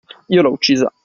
Io l'ho uccisa!